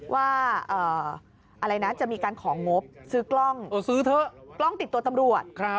ว่าจะมีการของงบซื้อกล้องติดตัวตำรวจ